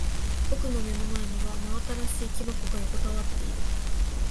僕の目の前には真新しい木箱が横たわっている。